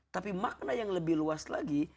tapi makna yang lebih luas lagi